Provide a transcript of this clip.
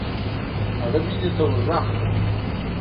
هغه مينې ته ورږغ کړه.